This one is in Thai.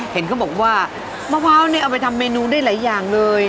เห็นเขาบอกว่ามะพร้าวนี่เอาไปทำเมนูได้หลายอย่างเลย